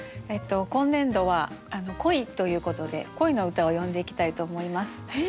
今年度は「恋」ということで恋の歌を詠んでいきたいと思います。